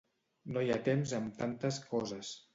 No hi ha temps amb tantes coses.